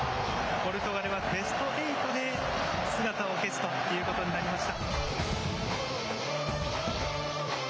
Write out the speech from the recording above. ポルトガルはベスト８で姿を消すということになりました。